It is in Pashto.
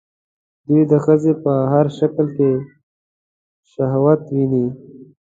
دوی د ښځې په هر شکل کې شهوت ويني